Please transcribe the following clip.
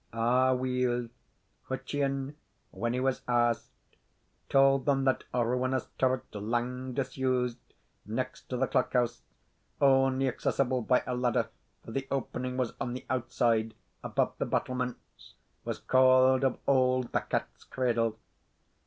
Aweel, Hutcheon, when he was asked, told them that a ruinous turret lang disused, next to the clock house, only accessible by a ladder, for the opening was on the outside, above the battlements, was called of old the Cat's Cradle.